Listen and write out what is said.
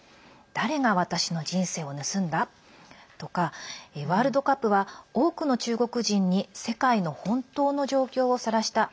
誰が私の人生を盗んだ？とかワールドカップは多くの中国人に世界の本当の状況をさらした。